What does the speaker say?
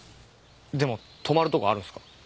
でも泊まるとこあるんすか？